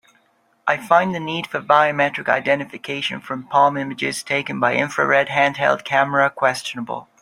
I find the need for biometric identification from palm images taken by infrared handheld camera questionable.